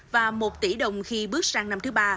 và một tỷ đồng khi bước sang năm thứ ba